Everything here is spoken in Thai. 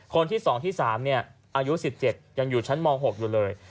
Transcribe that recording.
คนที่๒ที่๓อายุ๑๗ยังอยู่ชั้นม๖อยู่เลย